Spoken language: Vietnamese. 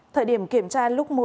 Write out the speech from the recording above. thời điểm kiểm tra lúc một giờ